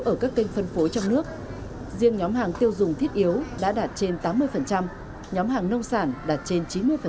ở các kênh phân phối trong nước riêng nhóm hàng tiêu dùng thiết yếu đã đạt trên tám mươi nhóm hàng nông sản đạt trên chín mươi